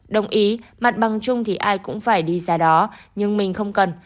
đồng ý mặt bằng chung thì ai cũng phải đi ra đó nhưng mình không cần